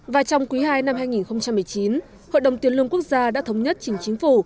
và trong quý ii năm hai nghìn một mươi chín hội đồng tiền lương quốc gia đã thống nhất chính chính phủ